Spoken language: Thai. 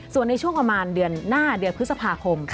ส่วนในช่วงประมาณเดือนหน้าเดือนพฤษภาคม